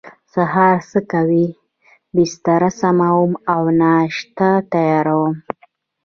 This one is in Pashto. سهار څه کوئ؟ بستره سموم او ناشته تیاروم